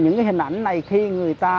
những cái hình ảnh này khi người ta